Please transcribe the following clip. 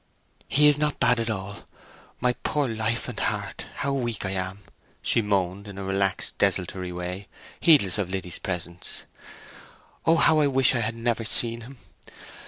"He is not bad at all.... My poor life and heart, how weak I am!" she moaned, in a relaxed, desultory way, heedless of Liddy's presence. "Oh, how I wish I had never seen him!